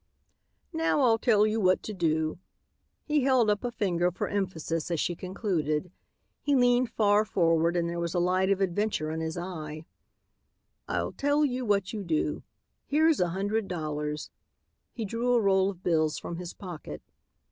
"Now I'll tell you what to do," he held up a finger for emphasis as she concluded. He leaned far forward and there was a light of adventure in his eye. "I'll tell you what you do. Here's a hundred dollars." He drew a roll of bills from his pocket.